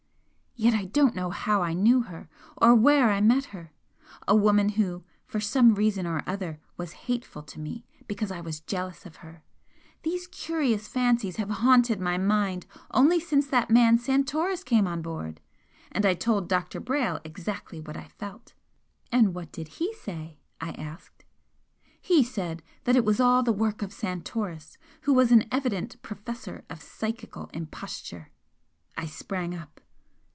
Yet I don't know how I knew her, or where I met her a woman who, for some reason or other, was hateful to me because I was jealous of her! These curious fancies have haunted my mind only since that man Santoris came on board, and I told Dr. Brayle exactly what I felt." "And what did he say?" I asked. "He said that it was all the work of Santoris, who was an evident professor of psychical imposture " I sprang up.